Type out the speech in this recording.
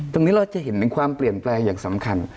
ตรงนี้เราจะเห็นความเปลี่ยนแปลงอย่างสำคัญ